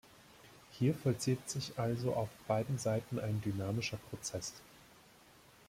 Hier vollzieht sich also auf beiden Seiten ein dynamischer Prozess.